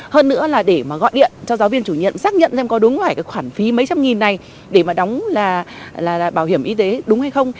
hơn nữa là để mà gọi điện cho giáo viên chủ nhiệm xác nhận xem có đúng phải cái khoản phí mấy trăm nghìn này để mà đóng là bảo hiểm y tế đúng hay không